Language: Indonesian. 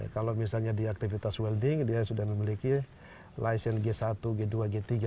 kalau misalnya di aktivitas welding dia sudah memiliki licent g satu g dua g tiga